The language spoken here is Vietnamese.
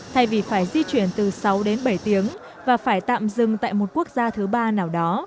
thay vì phải di chuyển từ sáu đến bảy tiếng và phải tạm dừng tại một quốc gia thứ ba nào đó